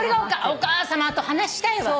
お母さまと話したいわ！